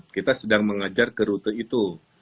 kita sedang mengajar ke rute itu